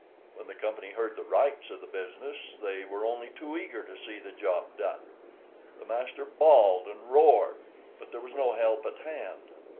When the company heard the rights of the business, they were only too eager to see the job done. The master bawled and roared, but there was no help at hand.